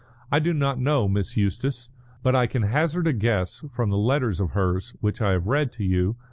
"I do not know Miss Eustace, but I can hazard a guess from the letters of hers which I have read to you.